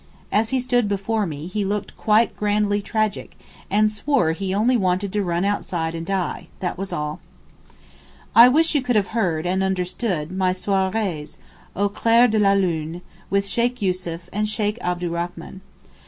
As he stood before me, he looked quite grandly tragic; and swore he only wanted to run outside and die; that was all. I wish you could have heard (and understood) my soirées, au clair de la lune, with Sheykh Yussuf and Sheykh Abdurrachman.